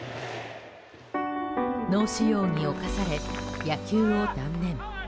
脳腫瘍に侵され、野球を断念。